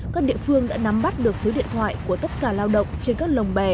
các địa phương đã nắm bắt được số điện thoại của tất cả lao động trên các lồng bè